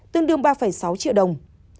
tương đương ba sáu triệu đồng